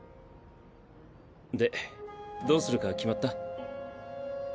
でどうするか決まった？